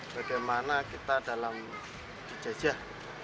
bagaimana kita dalam dijajah